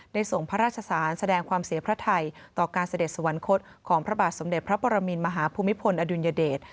ส่งพระราชสารแสดงความเสียพระไทยต่อการเสด็จสวรรคตของพระบาทสมเด็จพระปรมินมหาภูมิพลอดุลยเดช